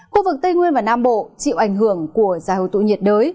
khu vực tây nguyên và nam bộ chịu ảnh hưởng của dài hồi tụ nhiệt đới